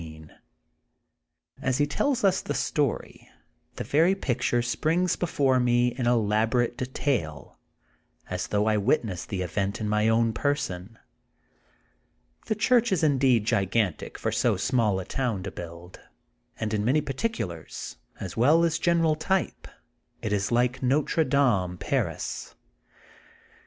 As he tells ns the story, the very picture springs be fore me in elaborate detail* as though I wit nessed the event in my own person. The chnrch is indeed gigantic for so small a town to build, and in many particulars as well as general type it is like Notre Dame, Paris.